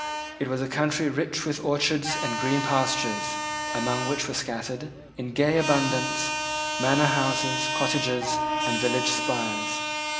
It was a country rich with orchards and green pastures, among which were scattered, in gay abundance, manor houses, cottages, and village spires.